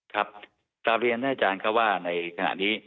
ครับตามเรียนท่านอาจารย์เขาว่าในขณะนี้